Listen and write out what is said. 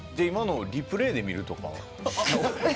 今のリプレーで見るとか。